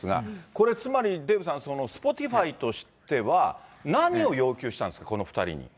これ、つまりデーブさん、スポティファイとしては何を要求したんですか、この２人に。